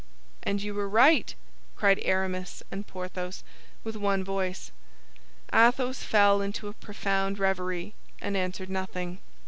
"And you were right," cried Aramis and Porthos, with one voice. Athos fell into a profound reverie and answered nothing.